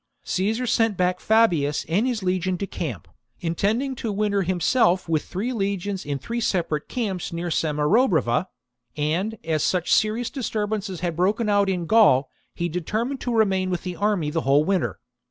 Caesar sent back Fabius and his legion to camp, .intending to winter himself with three legions in three separate camps near Samarobriva ; and, as such serious disturbances had broken out in Gaul, he deter mined to remain with the army the whole winter.